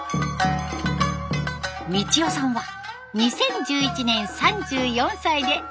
味千代さんは２０１１年３４歳で初高座。